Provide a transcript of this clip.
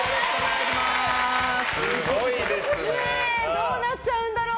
どうなっちゃうんだろう？